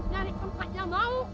cari tempat yang mau